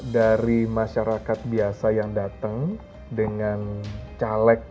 dari masyarakat biasa yang datang dengan caleg